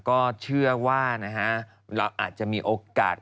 ก็เชื่อว่านะฮะเราอาจจะมีโอกาส